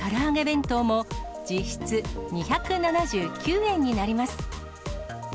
弁当も、実質２７９円になります。